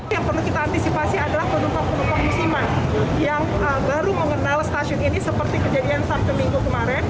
yang perlu kita antisipasi adalah penumpang penumpang musiman yang baru mengenal stasiun ini seperti kejadian sabtu minggu kemarin